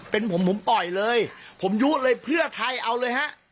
เป็นผมผมปล่อยเลยผมยุเลยเพื่อไทยเอาเลยฮะ